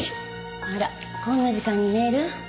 あらこんな時間にメール？